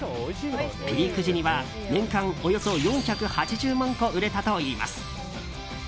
ピーク時には年間およそ４８０万個売れたといいます。